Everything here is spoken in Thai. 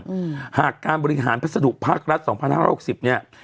อืมหากการบริหารพัสดุภาครัฐสองพันห้าร้อยหกสิบเนี้ย